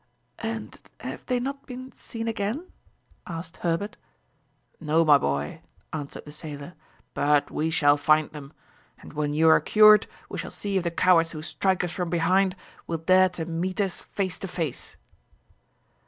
"And have they not been seen again?" asked Herbert. "No, my boy," answered the sailor, "but we shall find them, and when you are cured we shall see if the cowards who strike us from behind will dare to meet us face to face!"